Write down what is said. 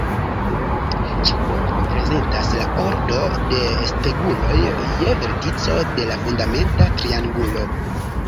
Ĉiu nombro prezentas la ordo de speguloj je vertico de la fundamenta triangulo.